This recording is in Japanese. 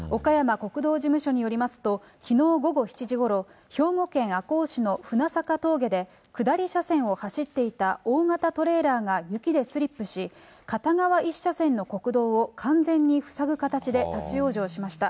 国道事務所によりますと、きのう午後７時ごろ、兵庫県赤穂市のふなさか峠で、下り車線を走っていた大型トレーラーが雪でスリップし、片側１車線の国道を完全に塞ぐ形で立往生しました。